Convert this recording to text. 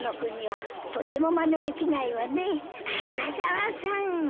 花沢さん。